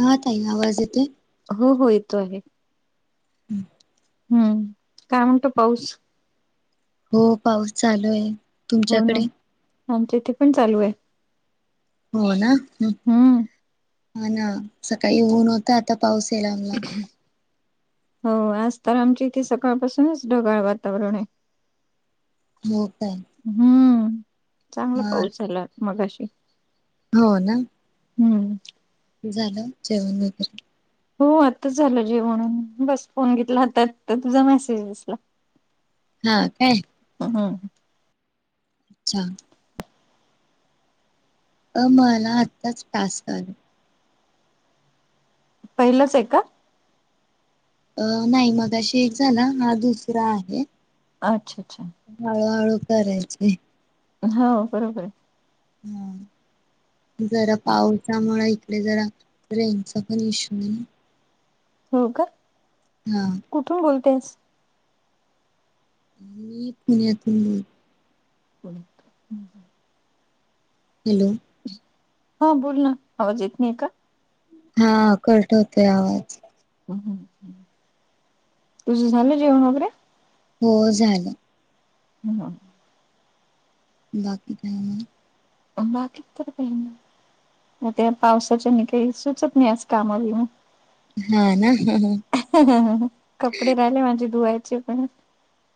हा ताई आवाज येतोय. हो. हो. येतो आहे. हम्म. हम्म, काय म्हणतो पाऊस? हो, पाऊस चालू आहे. हो ना तुमच्याकडे? आमच्या इथे पण चालू आहे. हो हम्म ना. सकाळी ऊन होत. आता पाऊस यायला लागला. हो. आज तर आमची इथे सकाळपासूनच ढगाळ वातावरण आहे. हो काय? हम्म, चांगला हा पाऊस झाला मगाशी. हो ना. हम्म झालं जेवण वगैरे? हो आताच झालं जेवण. बस फोन घेतला आता तुझा मेसेज दिसला. हा काय? [unintelligible] अच्छा. अ मला आत्ताच टास्क आले. पहिलंच आहे का? अ नाही. मगाशी एक झाला हा दुसरा आहे. अच्छा! अच्छा! हळूहळू करायचे. हो. बरोबर आहे. हा जरा पावसामुळे इकडे जरा ट्रेनचा पण इशू नाही. हो का? हा. कुठून बोलतेस? मी पुण्यातून बोलतेय. [inaudible] हॅलो हो बोल ना, आवाज येत नाही का? हा, कट होतोय आवाज. तुझं झालं जेवण वगैरे? हो झालं. [inaudible] बाकी काय मग? बाकी तर काही नाही. त्या पावसाच्यान काही सुचत नाही आज काम बीम. हा ना कपडे राहिले माझे धुवायचे पण.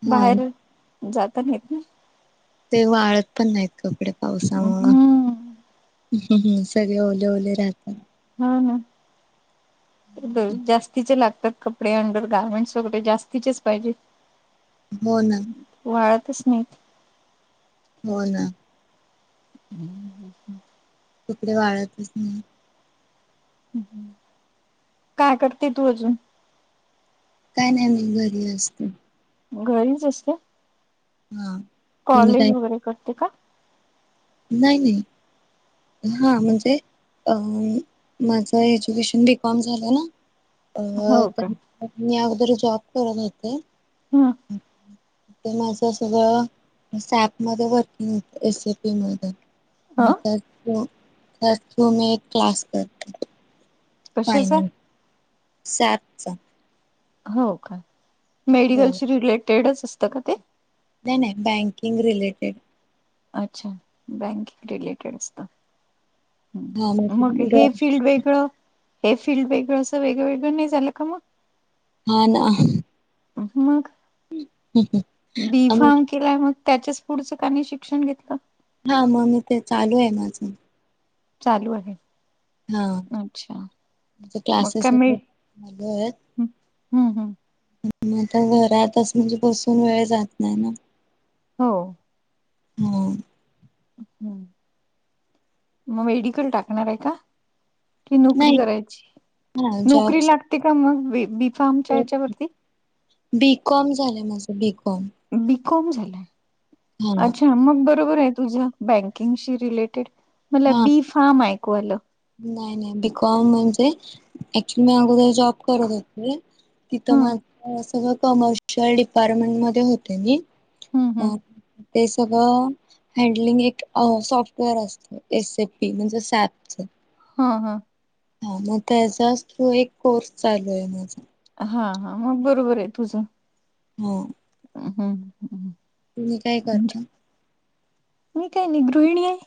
हा बाहेर जात नाहीत ना? ते वाळत पण नाहीत कपडे पावसामुळं हम्म हम् हम, सगळे ओले ओले राहतात. हा ना, जास्तीचे लागतात. कपडे, अंडर गार्मेंट्स वगैरे जास्तीचेच पाहिजे. हो ना. वाळतच नाहीत. हो ना. [inaudible] कपडे वाळतच नाही. काय करती तू अजून? काय नाही, मी घरी असते. घरीच असते? हा. तुम्ही काय कॉलेज वगैरे करते का? नाही नाही. हा म्हणजे अ माझं एज्युकेशन बीकॉम झालंय. अ हो का तर मी अगोदर जॉब करत होते. ह. ते माझं सगळं सॅपमध्ये वर्किंग होत, एस आय पी मध्ये. ह नंतर तू तर तू मी एक क्लास करते. कशाचा? फायनान्स सॅपचा. हो का, हो मेडिकलशी रिलेटेडच असतं का ते? नाय नाय, बँकिंग रिलेटेड. अच्छा बँकिंग रिलेटेड असत. मग हे फिल्ड वेगळं हे फिल्ड वेगळं, असं वेगळं वेगळं नाही झालं का मग? हा ना मग बी फाम केलाय मग, त्याच्याच पुढचं का नाई शिक्षण घेतलं? हा म मी ते चालू आहे माझं. चालू हाय. हा ते क्लासेस [unintelligible] होय हम हम्म हम्म मी आता घरातच म्हणजे बसून वेळ जात नाही ना हो. हो. हम्म मग मेडिकल टाकणार आहे का? कि नोकरी नाही करायची, हा नोकरी जॉब्स लागते का मग बी बीफ्मच्या हच्यावरती. बी. कॉम झालंय माझं बी. कॉम. बी. कॉम झालंय, अच्छा! हा मग बरोबर आहे तुझ बँकिंगशी रिलेटेड, मला हा बी फार्म ऐकू आलं. नाही नाही बी. कॉम म्हणजे, ऍक्च्युली मी अगोदर जॉब करत होते, ह तिथं माझं सगळ कमर्शिअल शल डिपार्टमेंट मध्ये होते मी, ह ह अ ते सगळं, हँडलिंग एक अ सॉफ्टवेअर असतं. एस ए पी म्हणजे सॅपच. हा हा. हा मग त्याचाच तो एक कोर्स चालू आहे माझा. हा हा मग बरोबर आहे तुझं. हम्म. हम्म, हम्. तुम्ही काय करता? मी काही नाही गृहिणी आहे.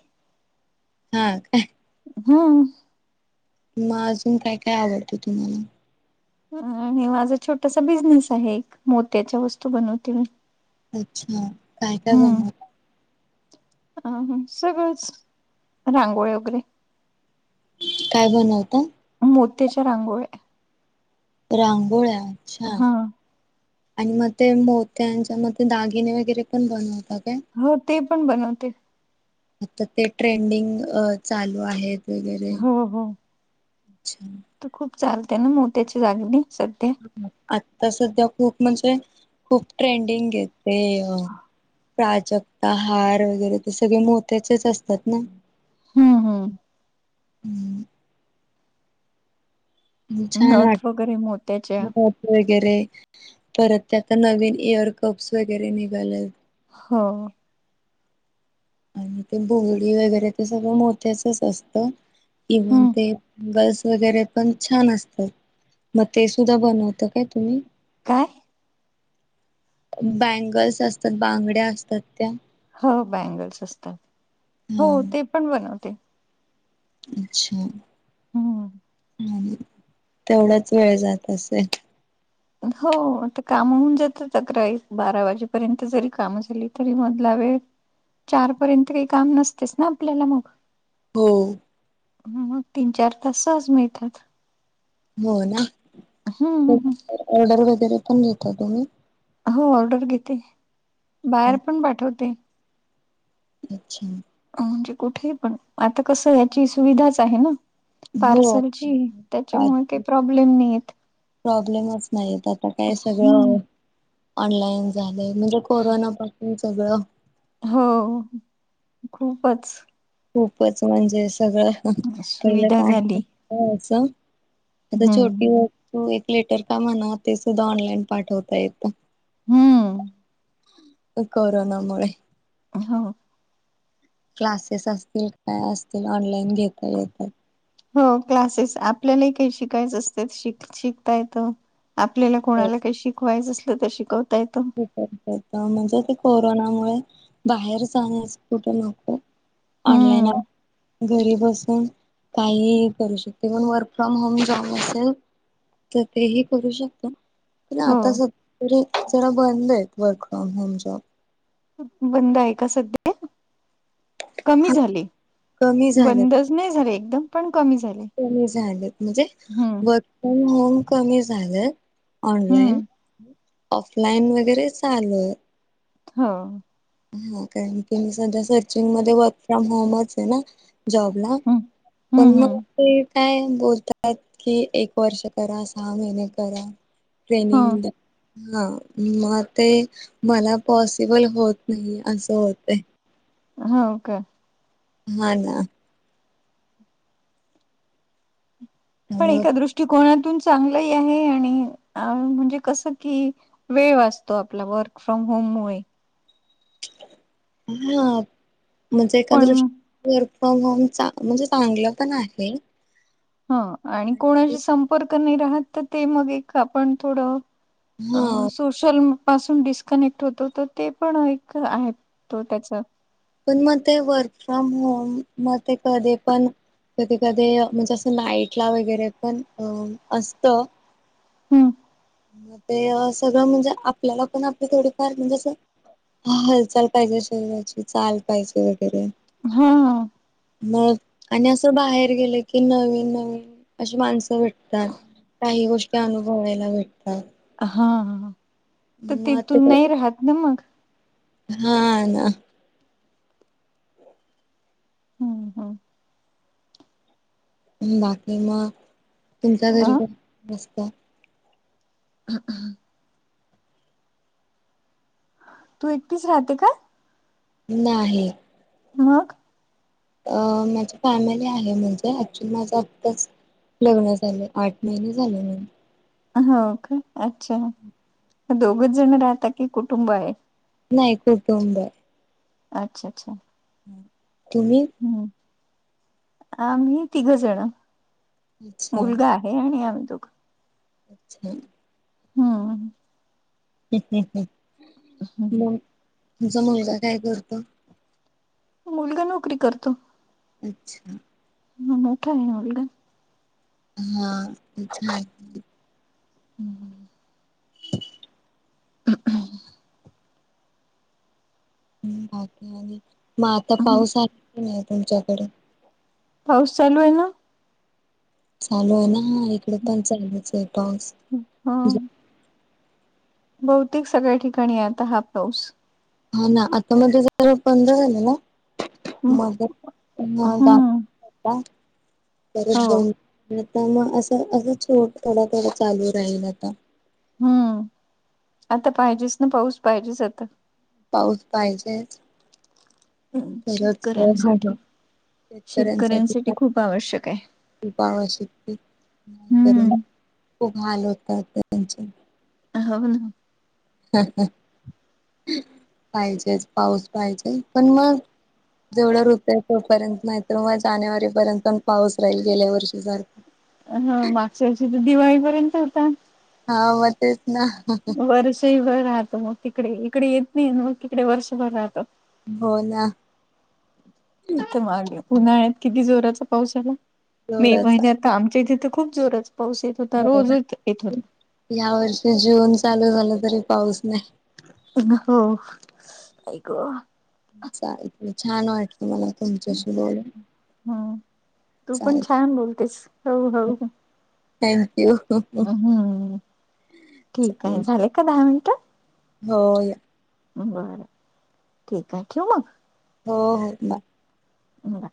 हा काय. हा. म अजून काय काय आवडतं तुम्हाला? आणि माझा छोटासा बिझनेस आहे एक मोत्याच्या वस्तू बनवते मी. अच्छा! काय काय बनवता? आ हम्म सगळंच, रांगोळ्या वगैरे. काय बनवता? मोत्याच्या रांगोळ्या. रांगोळ्या अच्छा! हा आणि म ते मोत्यांच्या म ते दागिने वगैरे पण बनवता काय? हो ते पण बनवते. आता ते ट्रेंडिंग अ चालू आहेत वगैरे, अच्छा. आता खूप चालते ना मोत्याच्या दागिने सध्या. आता सध्या खूप म्हणजे, खूप ट्रेंडिंग आहे ते अ. प्राजक्ता हार वगैरे ते सगळे मोत्याचेच असतात ना. हम्म हम्म. हम्म. हम्म छान नथ वाट, वगैरे मोत्याच्या [unintelligible] वगैरे, परत ते नवीन इयर कप्स वगैरे निघालेत. हा. आणि ते बोंगडी वगैरे ते सगळं मोत्याचच असतं. इव्हन हम्म ते गर्ल्स वगैरे पण छान असत, म ते सुद्धा बनवता काय तुम्ही? काय? बँगल्स असतात, बांगड्या असतात त्या. हो बँगल्स असतात, हो हा ते पण बनवते. अच्छा. हम्म. हम्म, तेवढच वेळ जात असेल. हो ते काम होवून जातात अकरा, एक, बारा वाजेपर्यंत जरी काम झाली तरी मधला वेळ चारपर्यंत काही काम नसतेच ना आपल्याला मग. हो. मग तीन चार तास सहज मिळतात. हो ना, हम्म ऑर्डर वगैरे पण घेता तुम्ही? हो ऑर्डर घेते बाहेर पण पाठवते. अच्छा. म्हणजे कुठे पण आता कसं याची सुविधाच आहे ना. हो. पार्सलची त्याच्यामुळे काही प्रॉब्लेम नाहीत. प्रॉब्लेमच नाहीत आता काय हम्म सगळं ऑनलाईन झालंय म्हणजे कोरोना पाासून सगळं. हो खूपच. खूपच म्हणजे सगळं पहिलं सुविधा काय? झाली हो असं आता हम्म छोटी तू एक लेटर का म्हणा ते सुद्धा ऑनलाईन पाठवता येत. हम्म. कोरोनामुळेळे हो. क्लासेस असतील काय असतील ऑनलाईन घेता येतात. हो क्लासेस आपल्यालाही काही शिकायचं असत शिक शिकतायेत. आपल्याला कोणाला काही शिकवायचं असल तर शिकवता येतं. म्हणजे ते कोरोनामुळे बाहेर जाण्यास कुठे नको. ऑनलाईन हम्म घरी बसून काही करू शकते पण वर्क फ्रॉम होम जॉब नसेल. तर तेही करू शकतो. प हो आता स जरा बंद आहेत वर्क फ्रॉम होम जॉब. बंद आहे का सधळे कमी हा झाले कमी झालेत बंद. नाही झाले एकदम पण कमी झाले. कमी झाले म्हणजे हम्म वर्क फ्रॉम होम कमी झालं. ऑनलाईन हम्म ऑफलाईन वगैरे चालूय. हा. हा कारण की मी सध्या सर्चिंग मध्ये वर्क फ्रॉम होमच आहे ना. जॉबला हम्म हम्म पण मग ते काय बोलतात कि एक वर्ष करा सहा महिने करा. हम्म ट्रेनिंग हा मग ते मला पॉसिबल होत. नाही असं होत. होा का. हा ना. पण त्यामुळे एका दृष्टिकोनातून चांगलंही आहे आणि अ म्हणजे कसं कि वेळ वाचतो आपला वर्क फ्रॉम होममुळे हा म्हणजे पण एकादृश वर्क फ्रॉम होम म्हणजे चांगलं पण आहे. ह आणि कोणाशी संपर्क नाही राहत तर ते मग एक आपण थोडं- अ तु- हा सोशल पासून डिस्कनेक्ट होतो तर ते पण एक आहे तो त्याचा, पण मग ते वर्क फ्रॉम होम मग ते कधी पण कधी कधी म्हणजे असं लाईटला वगैरे पण अ असत. हम्म. ग ते सगळं म्हणजे आपल्याला पण आपली थोडीफार म्हणजे अस. हा हालचाल पाहिजे शरीराची चाल पाहिजे वगैरे हा. मग आणि असं बाहेर गेलं की नवीन नवीन, अशी माणसं भेटतात. काही गोष्टी अनुभवायला भेटतात. हा हा ह म ते मग हा ना. हम्म हम बाकी मग तुमच्या घरी अ कोण असत. अह [unintelligible] तू एकटीच राहते का? नाही. मग अ माझी फॅमिली आहे म्हणजे ऍक्च्युली माझं आत्ताच लग्न झालं आठ महिने झाले. ह का अच्छा दोघच जण राहता की कुटुंब आहे? नाही कुटुंब हाय. अच्छा अच्छा. तुम्ही? हम् आम्ही तिघं जण अच्छा मुलगा हाय. हे आणि आम्ही दोघं. अच्छा ह ह ह मग तुमचा मुलगा काय करतो? मुलगा नोकरी करतो. अच्छा हम् मोठा आहे मुलगा. हा अच्छा हम्म हम [unintelligible] बाकी आणि म आता हम्म. पाऊस आहे की नाही तुमच्याकडे? पाऊस चालू आहे ना. चालू आहे ना इकड पण चालूच आहे पाऊस. हम्म ह बहुतेक सगळ्या ठिकाणी आता हा पाऊस. हो ना आता मध्ये जरा बंद झालेला. हम्म मधे पण [inaudible] होता हम्म. परत हो बंद आता मग असं असंच थोडा थोडा चालू राहील आता. हम्म आता पाहिजेच ना पाऊस पाहिजेच आता. पाऊस पाहिजेच. तरच शेतकऱ्यांसाठी शेतकऱ्यांसाठी शेतकऱ्यांसाठी पाहि खूप आवश्यक आहे. खूप आवश्यकती नाही तर हम्म. खूप हाल होतात त्यांचे हो ना पाहिजेच पाऊस पाहिजे पण मग, जेवढं ऋतू आहे तोपर्यंत नाहीत म जानेवारी पर्यंत पण पाऊस राहील गेल्या वर्षी सारखा अह मागच्या वर्षी तर दिवाळीपर्यंत होता. हा म तेच ना. वर्षहीभर राहतो मग तिकडे इकडे येत नाही मग तिकडे वर्षभर राहतो. हो ना. आ मागे उन्हाळ्यात किती जोराचा पाऊस आला मे जोराचा महिन्या आता आमच्या इथे तर खूप जोरच पाऊस येत होता ब रोज येत होता. या वर्षी जून चालू झाला तरी पाऊस नाही. हो आई ग चालतय छान वाटलं मला तुमच्याशी बोलून. हम्म. तू पण चालेल छान बोलतेस हो हो. थँक्यू ह. हम्म ठीक आहे झाले का दहा मिनिटं. होय. बरं ठीक आहे ठेव मग. हो हो बाय. ह